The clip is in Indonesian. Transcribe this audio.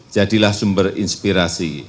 jadilah sumber inspirasi